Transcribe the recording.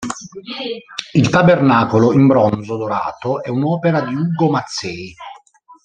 Il tabernacolo, in bronzo dorato, è un'opera di Ugo Mazzei.